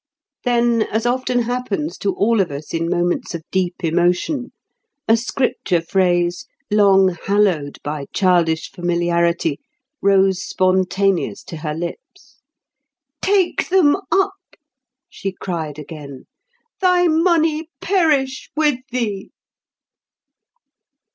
Then, as often happens to all of us in moments of deep emotion, a Scripture phrase, long hallowed by childish familiarity, rose spontaneous to her lips. "Take them up!" she cried again. "Thy money perish with thee!"